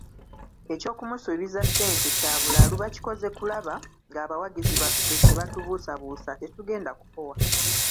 Eky'okumusuubiza ssente kya bulalu bakikoze kulaba ng'abawagizi baffe batubuusabuusa, tetugenda kupowa.